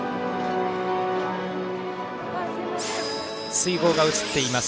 水濠が映っています。